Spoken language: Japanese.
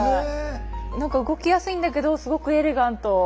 なんか動きやすいんだけどすごくエレガント。